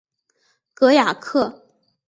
戈雅克。